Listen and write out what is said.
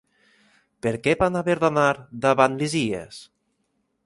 Per què van haver d'anar davant Lísies?